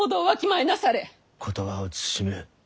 言葉を慎め。